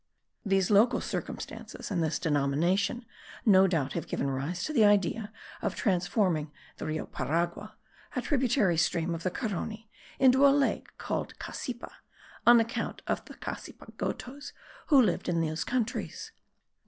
These local circumstances and this denomination no doubt have given rise to the idea of transforming the Rio Paragua, a tributary stream of the Carony, into a lake called Cassipa, on account of the Cassipagotos,* who lived in those countries.